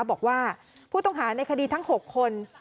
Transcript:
บอกว่าผู้ต้องหาในคดีทั้ง๖คน